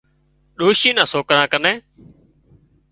ڏوشي نان سوڪران ڪنين